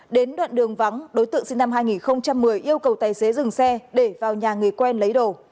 đến đoạn đường vắng đối tượng sinh năm hai nghìn một mươi yêu cầu tài xế dừng xe để vào nhà người quen lấy đồ